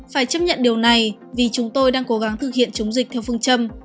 phải chấp nhận điều này vì chúng tôi đang cố gắng thực hiện chống dịch theo phương châm